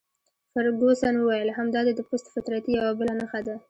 فرګوسن وویل: همدا دي د پست فطرتۍ یوه بله نښه ده.